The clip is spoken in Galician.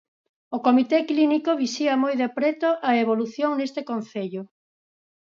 O comité clínico vixía moi de preto a evolución neste concello.